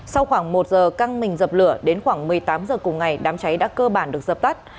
sau khoảng một giờ căng mình dập lửa đến khoảng một mươi tám h cùng ngày đám cháy đã cơ bản được dập tắt